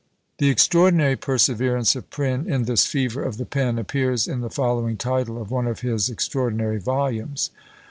The extraordinary perseverance of Prynne in this fever of the pen appears in the following title of one of his extraordinary volumes.